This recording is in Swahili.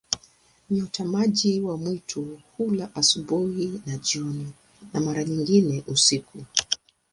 Nyati-maji wa mwitu hula asubuhi na jioni, na mara nyingine usiku.